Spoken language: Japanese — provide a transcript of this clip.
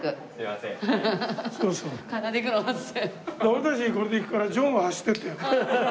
俺たちはこれで行くからじょんは走って行ってよ。